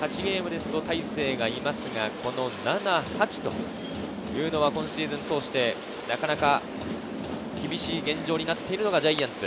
勝ちゲームですと大勢がいますが、７、８というのは今シーズンを通してなかなか厳しい現状になっているのがジャイアンツ。